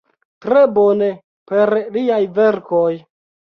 Tre bone, per liaj verkoj.